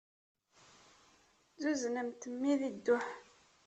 Zuznemt mmi di dduḥ.